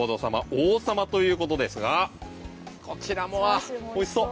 王様ということですがこちらもおいしそう。